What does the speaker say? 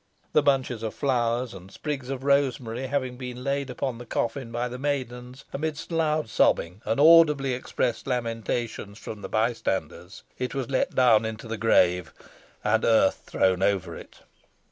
The bunches of flowers and sprigs of rosemary having been laid upon the coffin by the maidens, amidst loud sobbing and audibly expressed lamentations from the bystanders, it was let down into the grave, and earth thrown over it.